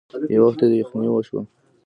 يو وخت يې يخنې وشوه.